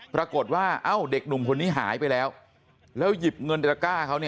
ปรากฏว่าเอ้าเด็กหนุ่มคนนี้หายไปแล้วแล้วหยิบเงินตระก้าเขา